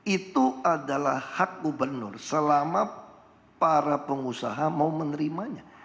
itu adalah hak gubernur selama para pengusaha mau menerimanya